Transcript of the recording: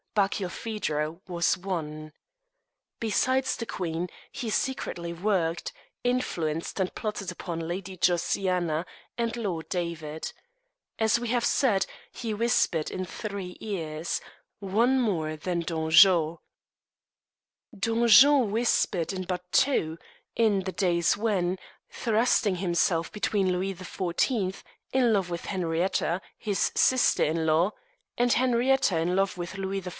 Barkilphedro was one. Besides the queen, he secretly worked, influenced, and plotted upon Lady Josiana and Lord David. As we have said, he whispered in three ears, one more than Dangeau. Dangeau whispered in but two, in the days when, thrusting himself between Louis XIV., in love with Henrietta, his sister in law, and Henrietta, in love with Louis XIV.